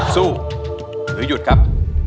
สู้หรือหยุดครับ